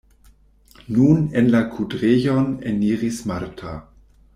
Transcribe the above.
Nun en la kudrejon eniris Marta.